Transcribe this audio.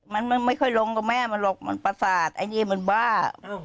มันไม่ค่อยลงกับแม่มันหรอกมันประสาทไอ้นี่มันบ้า